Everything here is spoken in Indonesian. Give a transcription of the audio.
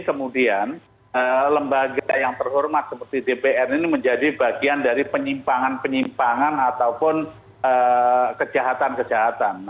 kemudian lembaga yang terhormat seperti dpr ini menjadi bagian dari penyimpangan penyimpangan ataupun kejahatan kejahatan